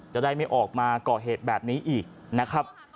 จะได้ไม่ออกมาก่อเหตุแบบนี้อีกนะครับ